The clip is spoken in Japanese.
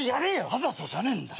わざとじゃねえんだよ。